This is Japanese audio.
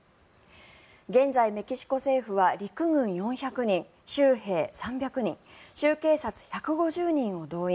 現在、メキシコ政府は陸軍４００人、州兵３００人州警察１５０人を動員。